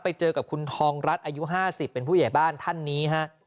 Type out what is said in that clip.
ไปเจอกับคุณทองรัฐอายุ๕๐เป็นผู้ใหญ่บ้านท่านนี้ฮะ